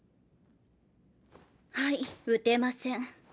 はい撃てません。